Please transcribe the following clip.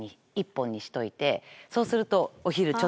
そうすると。